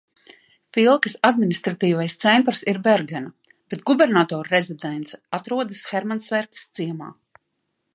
Filkes administratīvais centrs ir Bergena, bet gubernatora rezidence atrodas Hermansverkas ciemā.